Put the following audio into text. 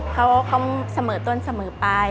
เขาเสมอต้นเสมอไป